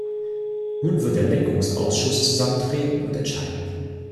Nun wird der Lenkungsausschuss zusammentreten und entscheiden.